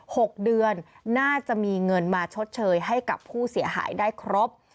หกเดือนน่าจะมีเงินมาชดเชยให้กับผู้เสียหายได้ครบ